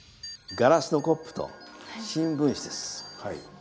ガラスのコップと新聞紙です。